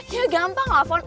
ya gampang lah fon